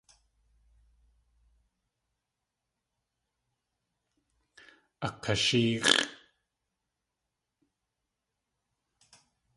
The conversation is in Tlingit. Akashéex̲ʼ.